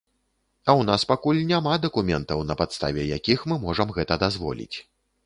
А ў нас пакуль няма дакументаў, на падставе якіх мы можам гэта дазволіць.